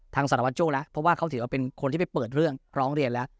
สารวัตโจ้แล้วเพราะว่าเขาถือว่าเป็นคนที่ไปเปิดเรื่องร้องเรียนแล้ว